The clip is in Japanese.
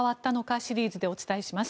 シリーズでお伝えします。